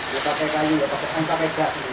gak pakai kayu gak pakai gas